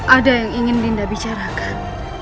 ada yang ingin dinda bicarakan